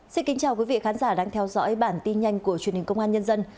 xin kính chào quý vị khán giả đang theo dõi bản tin nhanh của truyền hình công an nhân dân